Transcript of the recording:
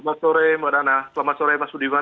selamat sore mbak nana selamat sore mas budiman